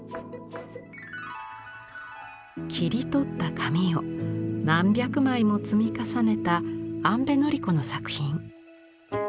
切り取った紙を何百枚も積み重ねた安部典子の作品。